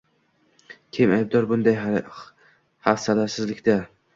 Kim aybdor bunday hafsalasizlikka?